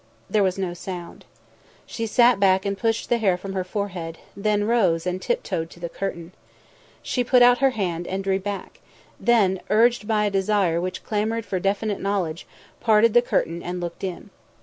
There was no sound. She sat back and pushed the hair from her forehead; then rose and tiptoed to the curtain. She put out her hand, and drew back; then, urged by a desire which clamoured for definite knowledge, parted the curtain and looked in.